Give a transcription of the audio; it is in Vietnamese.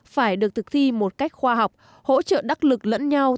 phải được thực thi một cách khoa học hỗ trợ đắc lực lẫn nhau